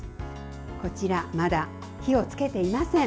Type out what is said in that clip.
こちら、まだ火をつけていません。